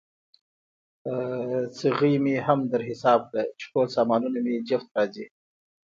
څغۍ مې هم در حساب کړه، چې ټول سامانونه مې جفت راځي.